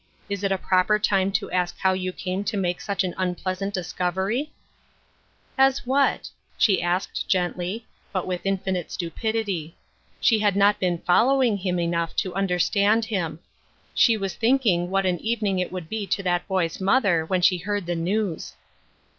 Is it a proper time to ask how you came to make such an un pleasant discovery ?" "As what ?" she asked gently, but with infinite 194 0N THE MOUNT AND IN THE VALLEY. stupidity. She had not been following him enough to understand him. She was thinking what an evening it would be to that boy's mother when she heard the news.